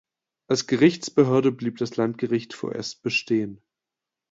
Als Gerichtsbehörde blieb das Landgericht vorerst bestehen.